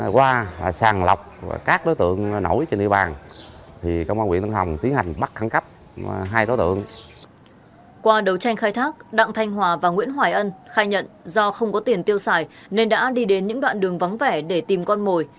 qua đấu tranh khai thác đặng thanh hòa và nguyễn hoài ân khai nhận do không có tiền tiêu xài nên đã đi đến những đoạn đường vắng vẻ để tìm con mồi